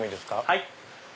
はい。